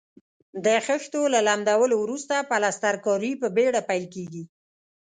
د خښتو له لمدولو وروسته پلسترکاري په بېړه پیل کیږي.